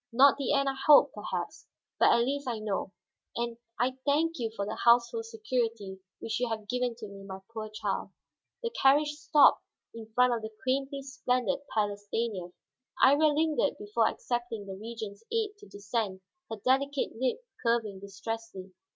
Not the end I hoped, perhaps, but at least I know. And I thank you for the household security which you have given to me, my poor child." The carriage stopped in front of the quaintly splendid Palace Stanief. Iría lingered before accepting the Regent's aid to descend, her delicate lip curving distressedly.